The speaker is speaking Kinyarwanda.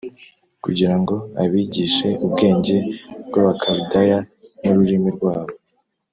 kugira ngo abigishe ubwenge bw’Abakaludaya n’ururimi rwabo